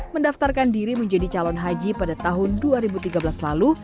mendaftarkan diri menjadi calon haji pada tahun dua ribu tiga belas lalu